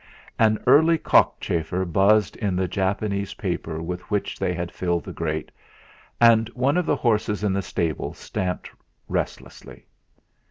An early cockchafer buzzed in the Japanese paper with which they had filled the grate, and one of the horses in the stable stamped restlessly.